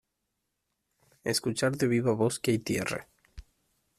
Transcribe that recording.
escuchar de viva voz que hay tierra